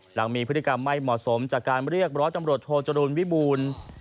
หลังมีพฤติกรรมไม่เหมาะสมจากการเรียกร้อยตำรวจโทจรูลวิบูรณ์